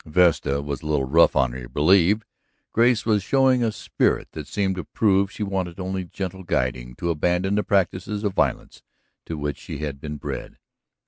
Vesta was a little rough on her, he believed. Grace was showing a spirit that seemed to prove she wanted only gentle guiding to abandon the practices of violence to which she had been bred.